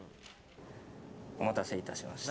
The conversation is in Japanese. お待たせいたしました。